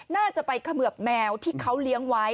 น่าจะไปเขมือบแมวที่เขาเลี้ยงไว้